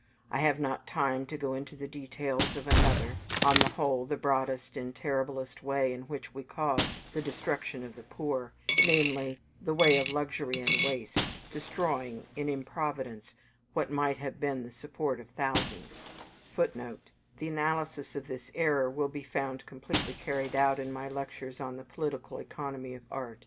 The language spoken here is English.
I have not time to go into the details of another on the whole, the broadest and terriblest way in which we cause the destruction of the poor namely, the way of luxury and waste, destroying, in improvidence, what might have been the support of thousands; [Footnote: The analysis of this error will be found completely carried out in my lectures on the political economy of art.